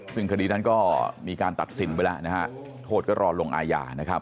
ซึ่งคดีนั้นก็มีการตัดสินไปแล้วนะฮะโทษก็รอลงอาญานะครับ